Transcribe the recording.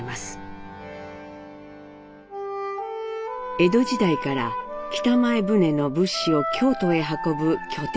江戸時代から北前船の物資を京都へ運ぶ拠点として栄えた町。